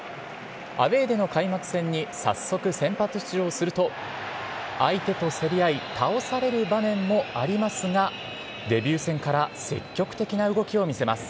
アウエーでの開幕戦に、早速先発出場すると、相手と競り合い、倒される場面もありますが、デビュー戦から積極的な動きを見せます。